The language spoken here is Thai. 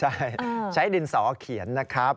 ใช่ใช้ดินสอเขียนนะครับ